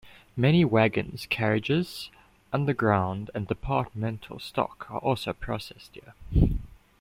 Many wagons, carriages, underground and departmental stock are also processed here.